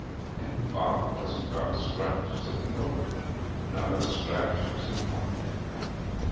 'And Bob hasn't got a scratch?' said the miller. 'Not a scratch,' said Cornick.